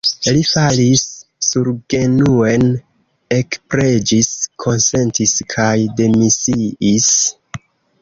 Li falis surgenuen, ekpreĝis, konsentis kaj demisiis.